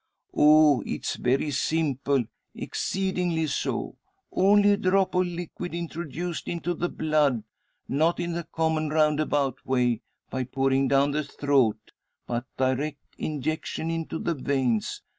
"Oh, it's very simple; exceedingly so. Only a drop of liquid introduced into the blood; not in the common roundabout way, by pouring down the throat, but direct injection into the veins.